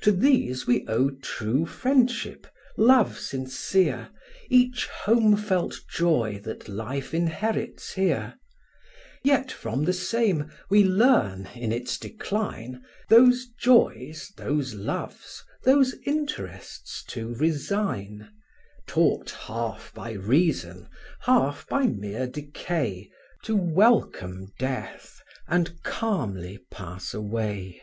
To these we owe true friendship, love sincere, Each home felt joy that life inherits here; Yet from the same we learn, in its decline, Those joys, those loves, those interests to resign; Taught half by reason, half by mere decay, To welcome death, and calmly pass away.